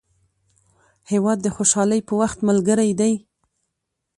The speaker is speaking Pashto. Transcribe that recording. هېواد د خوشحالۍ په وخت ملګری دی.